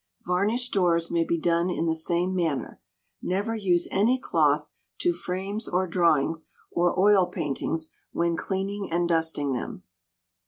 Varnished doors may be done in the same manner. Never use any cloth to frames or drawings, or oil paintings, when cleaning and dusting them.